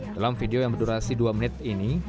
dalam video yang berdurasi dua menit ini